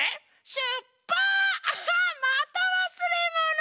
しゅっぱアハッまたわすれもの。